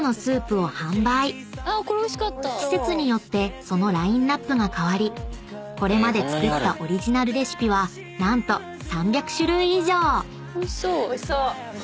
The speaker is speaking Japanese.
［季節によってそのラインアップが変わりこれまで作ったオリジナルレシピは何と３００種類以上！］